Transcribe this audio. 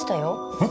えっ。